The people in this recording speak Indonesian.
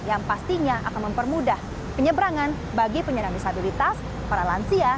yang pastinya akan mempermudah penyeberangan bagi penyerang disabilitas paralansia